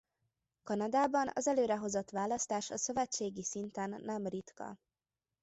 Kanadában az előrehozott választás a szövetségi szinten nem ritka.